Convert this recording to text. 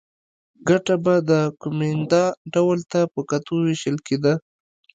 ګټه به د کومېندا ډول ته په کتو وېشل کېده.